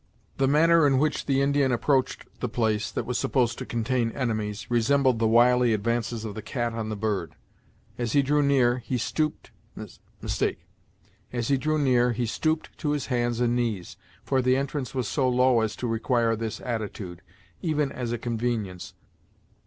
The manner in which the Indian approached the place that was supposed to contain enemies, resembled the wily advances of the cat on the bird. As he drew near, he stooped to his hands and knees, for the entrance was so low as to require this attitude, even as a convenience.